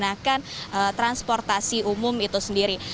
masyarakat yang menggunakan transportasi umum itu sendiri